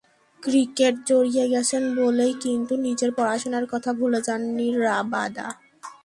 Cricket জড়িয়ে গেছেন বলেই কিন্তু নিজের পড়াশোনার কথা ভুলে যাননি রাবাদা।